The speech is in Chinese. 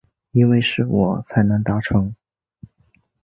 因为是我才能达成